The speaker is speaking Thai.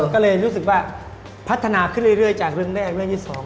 ก็เลยรู้สึกว่าพัฒนาขึ้นเรื่อยจากเรื่องแรกเรื่องที่๒